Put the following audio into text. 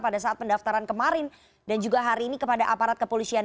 pada saat pendaftaran kemarin dan juga hari ini kepada aparat kepolisian